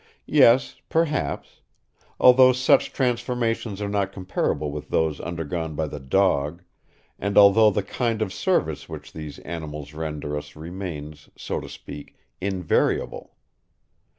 Yes, perhaps; although such transformations are not comparable with those undergone by the dog and although the kind of service which these animals render us remains, so to speak, invariable.